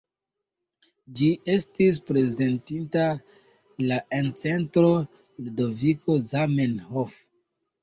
Ĝi estis prezentita la en Centro Ludoviko Zamenhof.